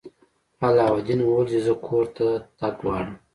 علاوالدین وویل چې زه کور ته تګ غواړم.